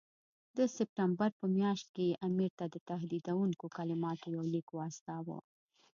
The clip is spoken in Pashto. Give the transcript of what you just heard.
د سپټمبر په میاشت کې یې امیر ته د تهدیدوونکو کلماتو یو لیک واستاوه.